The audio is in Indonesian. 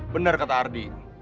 bener kata ardi